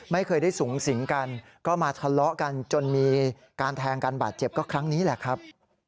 ไม่เคยได้สูงสิงกันก็มาทะเลาะกันจนมีการแทงกันบาดเจ็บก็ครั้งนี้แหละครับ